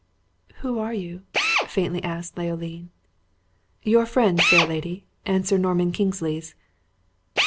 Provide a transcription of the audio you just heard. "Who are you?" faintly asked Leoline. "Your friend, fair lady, and Sir Norman Kingsley's."